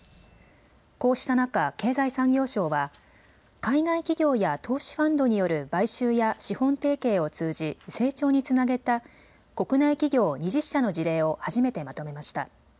こうした中、経済産業省は海外企業や投資ファンドによる買収や資本提携を通じ成長につなげた国内企業２０社の事例を初めてまとめました。